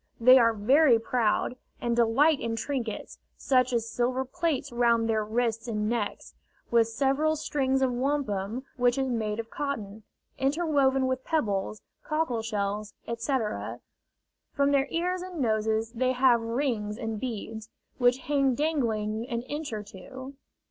They are very proud, and delight in trinkets, such as silver plates round their wrists and necks, with several strings of wampum, which is made of cotton, interwoven with pebbles, cockle shells, etc. From their ears and noses they have rings and beads, which hang dangling an inch or two.